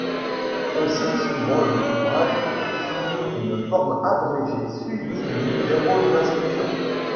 On cite souvent l'ouvrage sous une forme abrégée suivie du numéro de l'inscription.